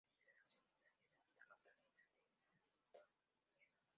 Estudió en el Seminario Santa Catalina de Mondoñedo.